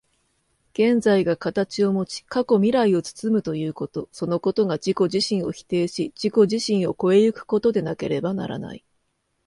現在が形をもち、過去未来を包むということ、そのことが自己自身を否定し、自己自身を越え行くことでなければならない。